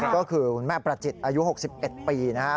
ก็คือคุณแม่ประจิตอายุ๖๑ปีนะครับ